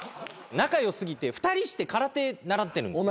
仲良過ぎて２人して空手習ってるんですよ。